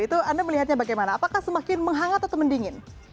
itu anda melihatnya bagaimana apakah semakin menghangat atau mendingin